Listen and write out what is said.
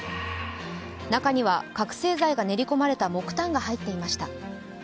中には覚醒剤が練り込まれた木炭が入っていました。